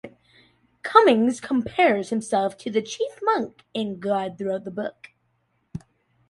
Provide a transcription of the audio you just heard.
Cummings compares himself to the "chief monk" and God throughout the book.